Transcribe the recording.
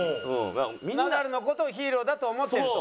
ナダルの事をヒーローだと思ってると。